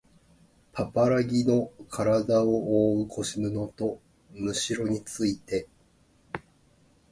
パパラギのからだをおおう腰布とむしろについて